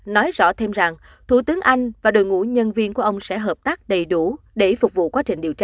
nói rõ thêm rằng thủ tướng anh và đội ngũ nhân viên của ông sẽ hợp tác đầy đủ để phục vụ quá trình điều tra